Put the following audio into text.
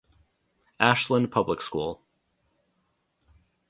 Ashland Public School.